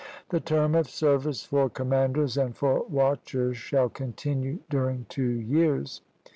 The term of service for commanders and for watchers shall continue during two years.